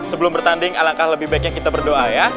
sebelum bertanding alangkah lebih baiknya kita berdoa ya